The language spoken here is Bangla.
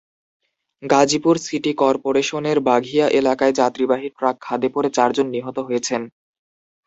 গাজীপুর সিটি করপোরেশনের বাঘিয়া এলাকায় যাত্রীবাহী ট্রাক খাদে পড়ে চারজন নিহত হয়েছেন।